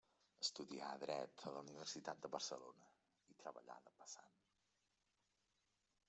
Estudià Dret a la Universitat de Barcelona, i treballà de passant.